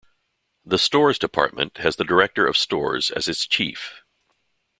The Stores Department has the director of stores as its chief.